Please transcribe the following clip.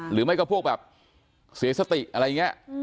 หรือไม่ก็พวกแบบเสียสติอะไรอย่างนี้